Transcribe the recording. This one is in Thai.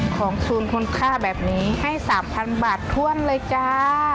ของศูนย์คุณค่าแบบนี้ให้๓๐๐๐บาทถ้วนเลยจ้า